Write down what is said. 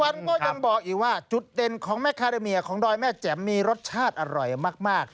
วันก็ยังบอกอีกว่าจุดเด่นของแม่คาราเมียของดอยแม่แจ๋มมีรสชาติอร่อยมาก